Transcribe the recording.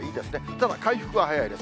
ただ、回復は早いです。